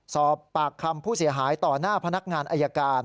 สอบปากคำผู้เสียหายต่อหน้าพนักงานอายการ